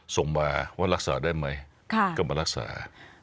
ส่งมาว่ารักษาได้ไหมก็มารักษา